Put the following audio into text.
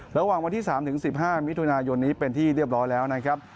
ระหว่างวันที่๓๑๕มิถุนายนนี้เป็นที่เรียบร้อยแล้วนะครับ